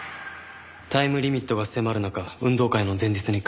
タイムリミットが迫る中運動会の前日に学会が。